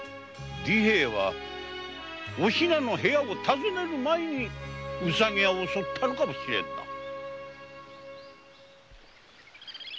利平はお比奈の部屋を訪ねる前に「うさぎや」を襲ったのかもしれんな。